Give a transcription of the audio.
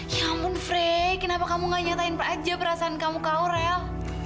ya ampun frey kenapa kamu nggak nyatain aja perasaan kamu ke aurel